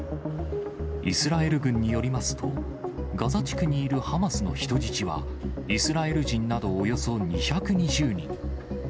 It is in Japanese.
イスラエル軍によりますと、ガザ地区にいるハマスの人質は、イスラエル人などおよそ２２０人。